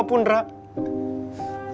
untuk mempertahankan hubungan kita